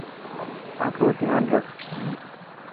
آپرو ڌيان رک.